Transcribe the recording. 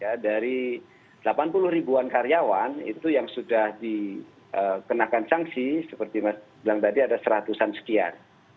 ya dari delapan puluh ribuan karyawan itu yang sudah dikenakan sanksi seperti mas bilang tadi ada seratusan sekian